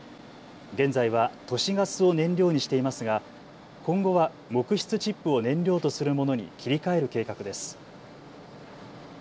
現在は都市ガスを燃料にしていますが今後は木質チップを燃料とするものに切り替える計画です。